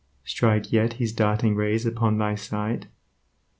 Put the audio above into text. Strike yet his darting rays upon thy sight?